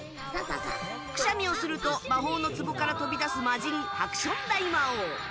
くしゃみをすると魔法の壺から飛び出す魔人ハクション大魔王。